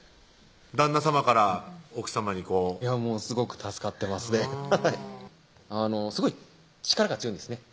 旦那さまから奥さまにこうすごく助かってますねすごい力が強いんですね